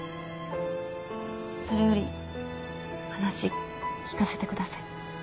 それより話聞かせてください。